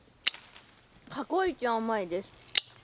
過去イチ甘いです